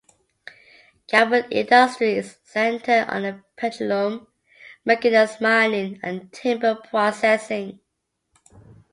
Gabon's industry is centered on petroleum, manganese mining, and timber processing.